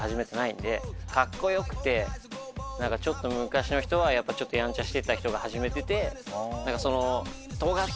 カッコ良くてちょっと昔の人はちょっとやんちゃしてた人が始めてて。